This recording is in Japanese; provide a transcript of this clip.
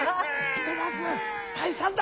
ひとまずたいさんだ。